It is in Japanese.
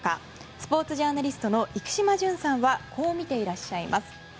スポーツジャーナリストの生島淳さんはこう見ていらっしゃいます。